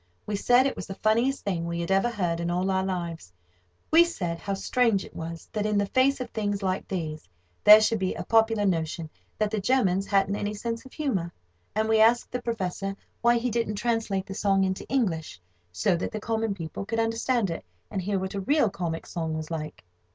We said it was the funniest thing we had ever heard in all our lives. We said how strange it was that, in the face of things like these, there should be a popular notion that the Germans hadn't any sense of humour. And we asked the Professor why he didn't translate the song into English, so that the common people could understand it, and hear what a real comic song was like.